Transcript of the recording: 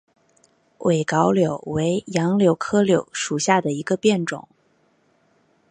伪蒿柳为杨柳科柳属下的一个变种。